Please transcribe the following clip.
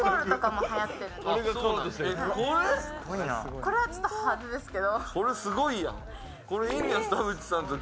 これはちょっと派手ですけど。